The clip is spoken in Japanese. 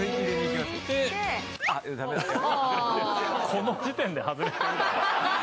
この時点で外れ。